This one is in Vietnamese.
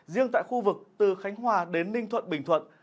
riêng tại khu vực từ khánh hòa đến ninh thuận bình thuận